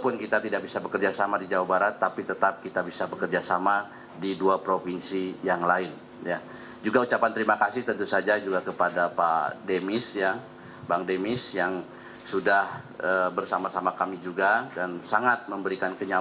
pks tetap menjalin kerjasama dengan deddy mizwar